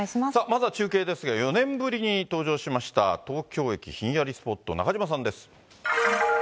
まずは中継ですが、４年ぶりに登場しました東京駅ひんやりスポット、中島さんです。